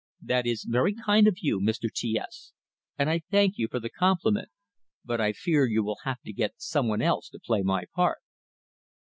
"That is very kind of you, Mr. T S, and I thank you for the compliment; but I fear you will have to get some one else to play my part."